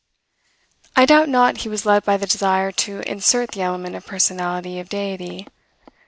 I doubt not he was led by the desire to insert the element of personality of Deity.